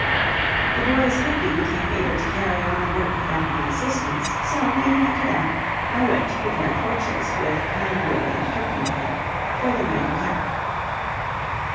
The boys quickly became able to carry on the work without my assistance; so, leaving it to them, I went to prepare torches, with pine wood and turpentine, for the night attack.